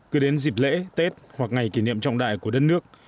cứ đến dịp lễ tết hoặc ngày kỷ niệm trọng đại của đất nước